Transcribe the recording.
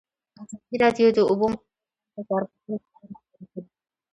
ازادي راډیو د د اوبو منابع په اړه د کارپوهانو خبرې خپرې کړي.